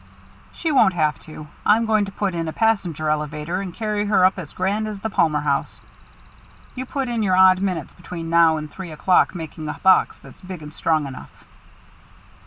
"She won't have to. I'm going to put in a passenger elevator, and carry her up as grand as the Palmer House. You put in your odd minutes between now and three o'clock making a box that's big and strong enough."